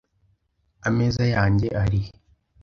Ameza yanjye arihe?